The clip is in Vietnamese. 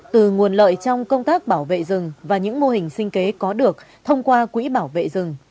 từ nguồn lợi trong công tác bảo vệ rừng và những mô hình sinh kế có được thông qua quỹ bảo vệ rừng